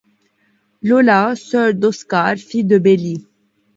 Lola, sœur d'Oscar, fille de Beli.